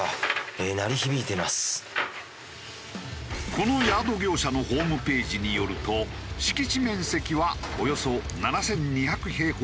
このヤード業者のホームページによると敷地面積はおよそ７２００平方メートル。